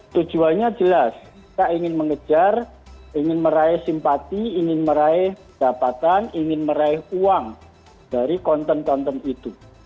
tujuannya jelas kita ingin mengejar ingin meraih simpati ingin meraih dapatan ingin meraih uang dari konten konten itu